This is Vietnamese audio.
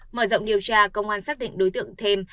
mở rộng điều tra công an xác định đối tượng thêm